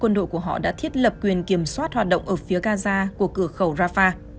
lập quyền kiểm soát hoạt động ở phía gaza của cửa khẩu rafah